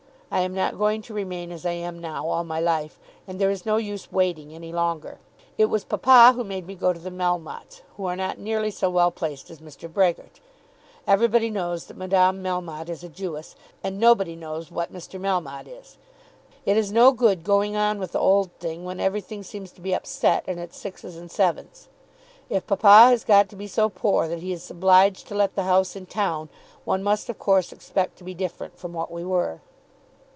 I am not going to remain as I am now all my life, and there is no use waiting any longer. It was papa who made me go to the Melmottes, who are not nearly so well placed as Mr. Brehgert. Everybody knows that Madame Melmotte is a Jewess, and nobody knows what Mr. Melmotte is. It is no good going on with the old thing when everything seems to be upset and at sixes and sevens. If papa has got to be so poor that he is obliged to let the house in town, one must of course expect to be different from what we were.